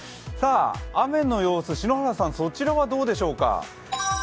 雨の様子、そちらはどうでしょうか？